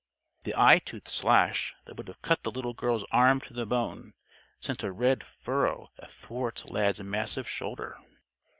The eye tooth slash that would have cut the little girl's arm to the bone, sent a red furrow athwart Lad's massive shoulder.